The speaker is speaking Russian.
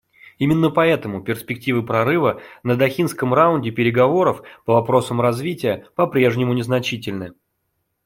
Именно поэтому перспективы прорыва на Дохинском раунде переговоров по вопросам развития попрежнему незначительны.